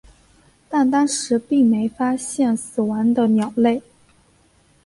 但当时并没发现死亡的鸟类。